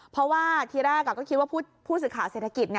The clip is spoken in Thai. เพราะว่าที่แรกผมก็คิดว่าผู้ศึกษาเศรษฐกิจเนี่ย